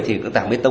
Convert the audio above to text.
thì tảng bê tông